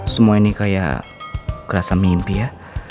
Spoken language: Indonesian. semua ini kayak kerasa mimpi ya